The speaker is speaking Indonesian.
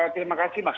terima kasih mas